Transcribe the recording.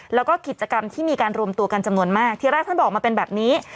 แล้วก็กิจกรรมที่มีการรวมตัวกันจำนวนมากทีแรกท่านบอกมาเป็นแบบนี้